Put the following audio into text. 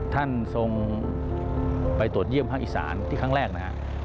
ท่านทรงไปตรวจเยี่ยมภาคอีสานที่ครั้งแรกนะฮะ